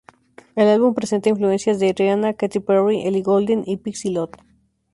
El álbum presenta influencias de Rihanna, Katy Perry, Ellie Goulding y Pixie Lott.